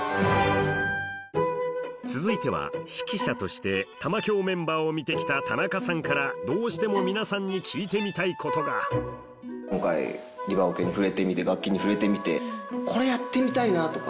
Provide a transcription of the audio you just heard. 続いては指揮者として玉響メンバーを見てきた田中さんからどうしても皆さんに聞いてみたいことが今回『リバオケ』に触れてみて楽器に触れてみてこれやってみたいなとか。